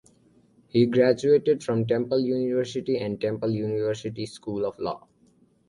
He graduated from Temple University and Temple University School of Law.